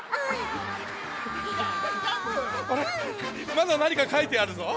まだなにかかいてあるぞ？